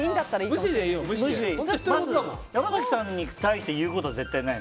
まず山崎さんに対して言うことは絶対ない。